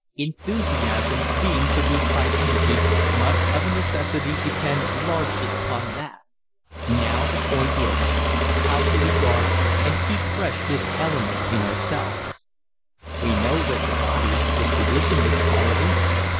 Enthusiasm being produced by energy must of a necessity depend largely upon that. Now the point is, how shall we guard and keep fresh this element in ourselves? We know that the body is producing this quality.